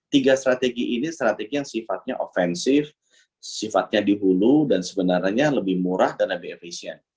tiga strategi ini strategi yang sifatnya ofensif sifatnya di hulu dan sebenarnya lebih murah dan lebih efisien